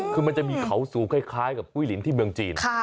คือมันจะมีเขาสูงคล้ายกับปุ้ยลินที่เมืองจีน